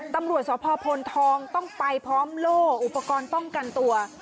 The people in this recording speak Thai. ตำรวจสพพลทองต้องไปพร้อมโล่อุปกรณ์ป้องกันตัว